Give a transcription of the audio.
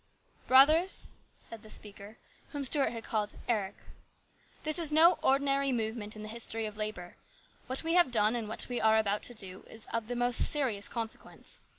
" Brothers," said the speaker, whom Stuart had called " Eric," " this is no ordinary movement in the history of labour. What we have done and what we are about to do is of the most serious consequence.